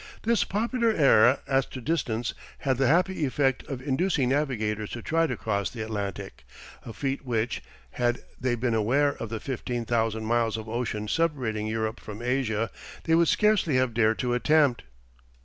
This popular error as to distance had the happy effect of inducing navigators to try to cross the Atlantic, a feat which, had they been aware of the 15,000 miles of ocean separating Europe from Asia, they would scarcely have dared to attempt.